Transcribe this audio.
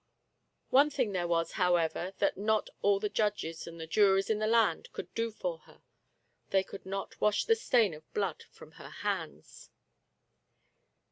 One thing there was, however, that not all the judges and the juries in the land could do for her ; they could not wash the stain of blood from her hands.